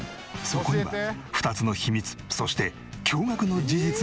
そこには２つの秘密そして驚愕の事実が発覚！